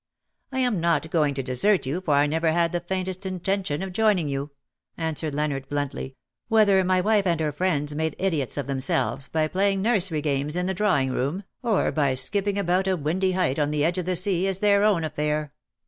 " I am not going to desert you, for I never had the faintest intention of joining you," answered Leonard bluntly ;" whether my wife and her friends made idiots of themselves by playing nursery games in 200 her drawing room^ or by skipping about a windy height on the edge of the sea, is their own affair.